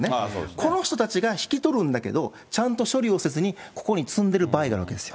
この人たちが引き取るんだけど、ちゃんと処理をせずにここに積んでいる場合があるわけですよ。